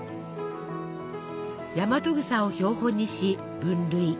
ヤマトグサを標本にし分類。